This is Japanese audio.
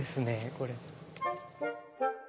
これ。